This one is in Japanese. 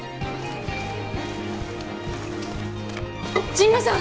神野さん！